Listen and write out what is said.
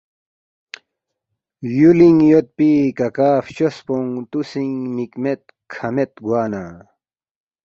یولینگ یودپی کاکا فچوسپونگ توسینگ مک مید کھہ مید گوانا